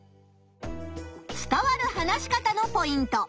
伝わる話し方のポイント。